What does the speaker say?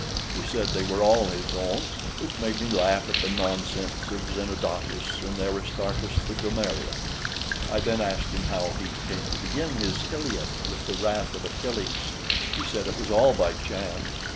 He said they were all his own, which made me laugh at the nonsense of Zenodotus and Aristarchus the grammarians. I then asked him how he came to begin his "Iliad" with the wrath of Achilles; he said it was all by chance.